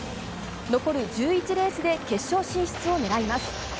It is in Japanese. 残る１１レースで決勝進出を狙います。